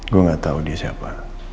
gue gak tau dia siapa